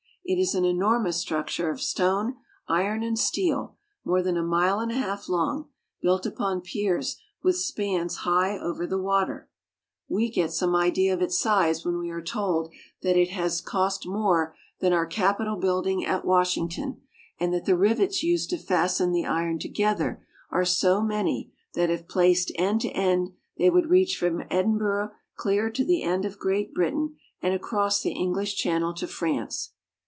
It is an enormous structure of stone, iron, and steel, more than a mile and a half long, built upon piers with spans high over the water. We get 46 SCOTLAND. some idea of its size when we are told that it has cost more than our Capitol building at Washington, and that the rivets used to fasten the iron together are so many Forth Bridge. that, if placed end to end, they would reach from Edinburgh clear to the end of Great Britain and across the English Channel to France.